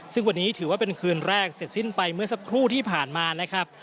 ซึ่งวันนี้ถือว่าเป็นคืนแรกเสร็จสิ้นไปเมื่อสักครู่ที่ผ่านมานะครับ